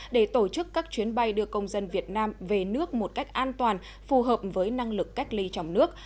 để tổ chức các chuyến bay đưa công dân việt nam về nước một cách an toàn phù hợp với năng lực cách ly trong nước